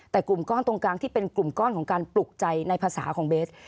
แต่กลุ่มก้อนตรงกลางที่เป็นกลุ่มก้อนของการปลุกใจในภาษาของเบส